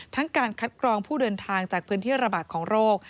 การคัดกรองผู้เดินทางจากพื้นที่ระบาดของโรค